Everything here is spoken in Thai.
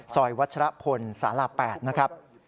วัชรพลสาลา๘นะครับ